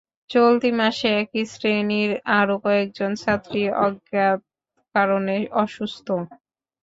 চলতি মাসে একই শ্রেণির আরও কয়েকজন ছাত্রী অজ্ঞাত কারণে অসুস্থ হয়।